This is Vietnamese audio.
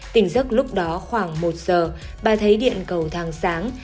tỉnh giấc lúc đó khoảng một giờ bà thấy điện cầu thang sáng